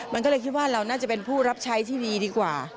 มันก็เลยคิดว่าเราน่าจะเป็นผู้รับใช้ที่ดีดีกว่า